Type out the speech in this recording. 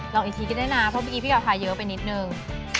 ลองอีกทีก็ได้นะเพราะว่าเมื่อกี้พี่กำลังถ่ายเยอะไปนิดนึง